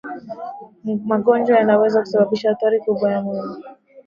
magonjwa yanaweza kusababisha athari kubwa ya mwili